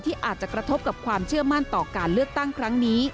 อาจจะกระทบกับความเชื่อมั่นต่อการเลือกตั้งครั้งนี้